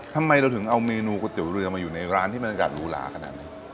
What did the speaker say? ทำไมเราถึงเอาเมนูก๋วยเตี๋ยวเรือมาอยู่ในร้านที่บรรยากาศหรูหลาขนาดนี้